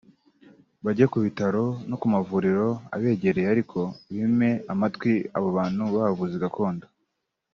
bajye ku bitaro no mu mavuriro abegereye ariko bime amatwi abo bantu b’abavuzi gakondo